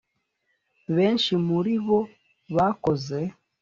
benshi muri bo bakoze